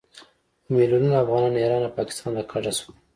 په میلونونو افغانان ایران او پاکستان ته کډه شول.